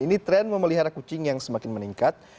ini tren memelihara kucing yang semakin meningkat